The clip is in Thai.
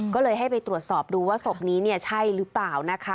ก็เลยให้ไปตรวจสอบดูว่าศพนี้เนี่ยใช่หรือเปล่านะคะ